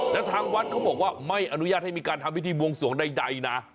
แล้วทางวัดเขาบอกว่าไม่อนุญาตให้มีการทำพิธีบวงสวงใดนะ